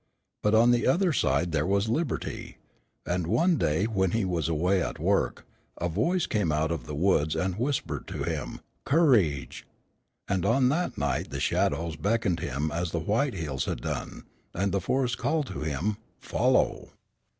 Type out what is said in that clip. But on the other side there was liberty; and one day when he was away at work, a voice came out of the woods and whispered to him "Courage!" and on that night the shadows beckoned him as the white hills had done, and the forest called to him, "Follow."